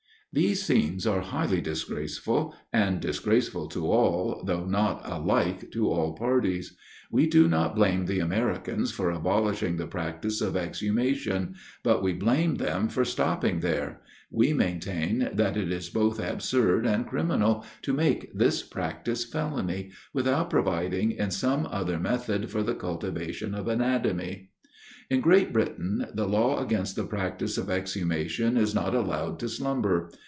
_" These scenes are highly disgraceful, and disgraceful to all, though not alike to all parties. We do not blame the Americans for abolishing the practice of exhumation; but we blame them for stopping there. We maintain, that it is both absurd and criminal, to make this practice felony, without providing in some other method for the cultivation of anatomy. In Great Britain, the law against the practice of exhumation is not allowed to slumber.